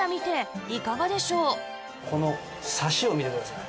このサシを見てください。